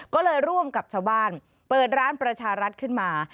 ก็เลยร่วมกับชาวบ้านเปิดร้านประชารัฐขึ้นมา